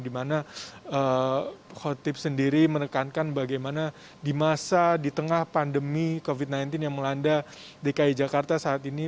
dimana khotib sendiri menekankan bagaimana di masa di tengah pandemi covid sembilan belas yang melanda dki jakarta saat ini